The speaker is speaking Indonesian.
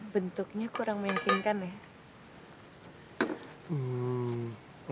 bentuknya kurang meyakinkan ya